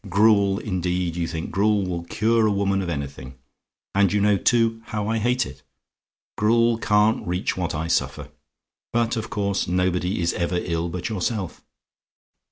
gruel, indeed you think gruel will cure a woman of anything; and you know, too, how I hate it. Gruel can't reach what I suffer; but, of course, nobody is ever ill but yourself.